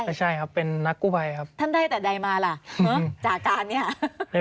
ไม่ใช่ครับเป็นนักกู้ภัยครับท่านได้แต่ใดมาล่ะเนอะจากการเนี้ย